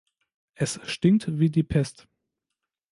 Es stinkt wie die Pest.